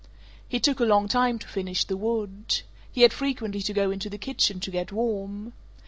He took a long time to finish the wood. He had frequently to go into the kitchen to get warm.